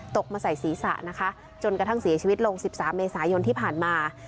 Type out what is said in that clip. ตกมาใส่ศีรษะนะคะจนกระทั่งเสียชีวิตลง๑๓เมษายนที่ผ่านมา